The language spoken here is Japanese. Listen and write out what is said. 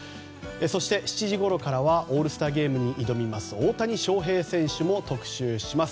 そして７時ごろからはオールスターゲームに挑みます大谷翔平選手も特集します。